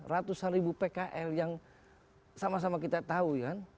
ratusan ribu pkl yang sama sama kita tahu kan